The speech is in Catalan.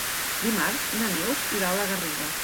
Dimarts na Neus irà a la Garriga.